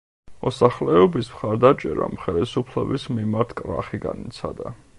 მოსახლეობის მხარდაჭერამ ხელისუფლების მიმართ კრახი განიცადა.